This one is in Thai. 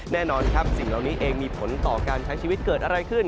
แน่นอนครับสิ่งเหล่านี้เองมีผลต่อการใช้ชีวิตเกิดอะไรขึ้น